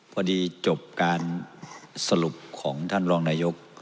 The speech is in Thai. พอดีจบการสรุปของท่านรองนายก